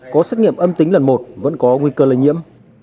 có xét nghiệm âm tính lần một vẫn có nguy cơ lây nhiễm